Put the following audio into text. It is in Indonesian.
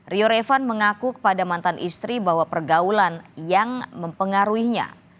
rio revan mengaku kepada mantan istri bahwa pergaulan yang mempengaruhinya